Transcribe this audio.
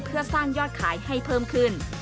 เพื่อสร้างยอดขายให้เพิ่มขึ้น